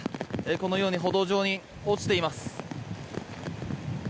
このように歩道上に落ちています。